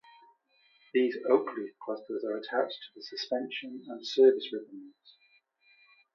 These oak leaf clusters are attached to the suspension and service ribbons.